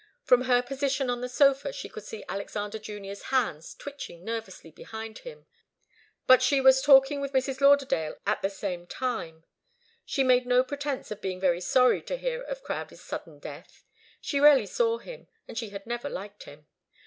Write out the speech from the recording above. From her position on the sofa she could see Alexander Junior's hands twitching nervously behind him. But she was talking with Mrs. Lauderdale at the same time. She made no pretence of being very sorry to hear of Crowdie's sudden death. She rarely saw him and she had never liked him.